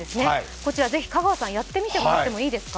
こちらぜひ香川さんやってみてもらってもいいですか。